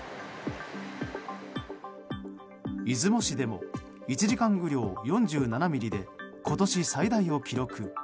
出雲市でも１時間雨量４７ミリで今年最大を記録。